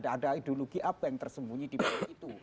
ada ideologi apa yang tersembunyi di bawah itu